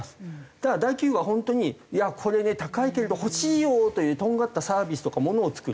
だから大企業は本当にこれね高いけれど欲しいよというとんがったサービスとかものを作る。